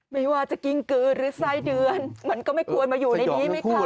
ไม่ว่าจะกิ้งกือหรือไส้เดือนมันก็ไม่ควรมาอยู่ในนี้ไหมคะ